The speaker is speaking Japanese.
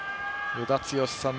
与田剛さん